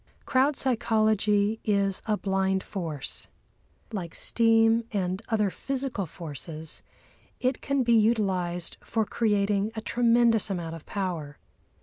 Crowd psychology is a blind force. Like steam and other physical forces, it can be utilised for creating a tremendous amount of power.